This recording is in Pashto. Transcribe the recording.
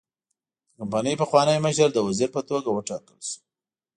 د کمپنۍ پخوانی مشر د وزیر په توګه وټاکل شو.